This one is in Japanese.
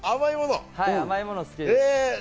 甘いものが好きです。